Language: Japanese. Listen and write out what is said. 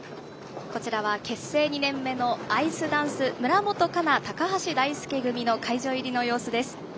こちらは結成２年目のアイスダンス村元哉中、高橋大輔組の会場入りの様子です。